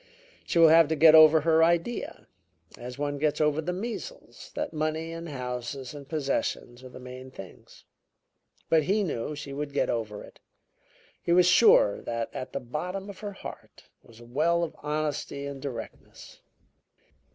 She will have to get over her idea, as one gets over the measles, that money and houses and possessions are the main things.' But he knew she would get over it; he was sure that at the bottom of her heart was a well of honesty and directness.